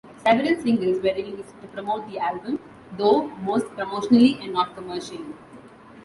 Several singles were released to promote the album, though most promotionally and not commercially.